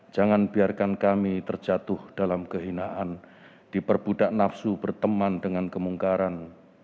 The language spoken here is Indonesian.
jangan biarkan kami terjatuh dalam kehinaan diperbudak nafsu berteman dengan kemungkaran